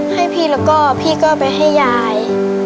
ให้พี่แล้วก็พี่ก็ไปให้ยาย